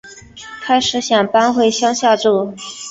开始想搬回乡下住